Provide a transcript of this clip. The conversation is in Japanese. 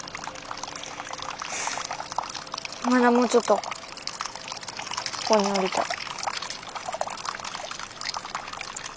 まだもうちょっとここにおりたい。